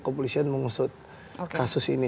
kepolisian mengusut kasus ini